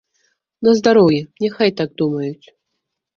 На здароўе, няхай так думаюць.